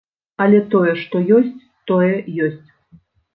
Але тое, што ёсць, тое ёсць.